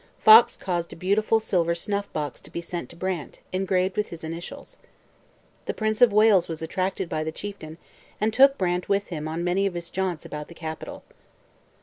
Fox caused a beautiful silver snuff box to be sent to Brant, engraved with his initials. The Prince of Wales was attracted by the chieftain and took Brant with him on many of his jaunts about the capital.